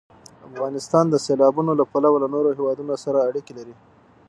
افغانستان د سیلابونه له پلوه له نورو هېوادونو سره اړیکې لري.